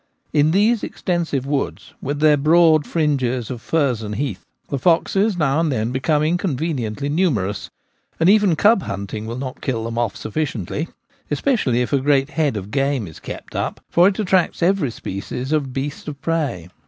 In these extensive woods, with their broad fringes of furze and heath, •the foxes now and then become inconveniently numerous, and even cub hunting will not kill them off sufficiently, especially if a great 'head' of game is kept up, for it attracts every species of beast of prey.